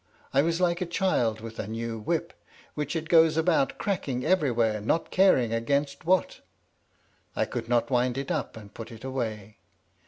I was like a child with a new whip, which it goes about cracking everywhere, not caring against what. I could not wind it up and put it away.